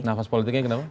nafas politiknya kenapa